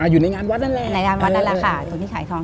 อยู่ในงานวัดนั่นแหละในงานวัดนั่นแหละค่ะคนที่ขายทอง